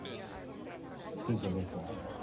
勲章です。